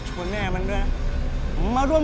แห้งหนู